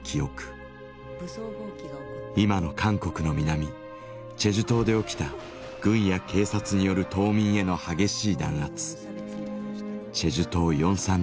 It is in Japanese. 今の韓国の南チェジュ島で起きた軍や警察による島民への激しい弾圧。